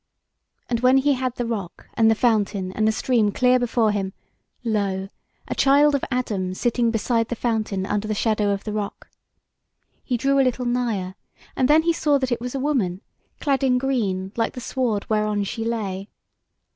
And when he had the rock and the fountain and the stream clear before him, lo! a child of Adam sitting beside the fountain under the shadow of the rock. He drew a little nigher, and then he saw that it was a woman, clad in green like the sward whereon she lay.